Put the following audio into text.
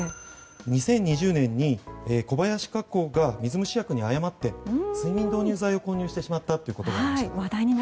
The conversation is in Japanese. ２０２０年に小林化工が水虫薬に誤って睡眠導入剤を混入してしまったことがありました。